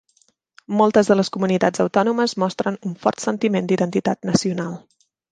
Moltes de les comunitats autònomes mostren un fort sentiment d'identitat nacional.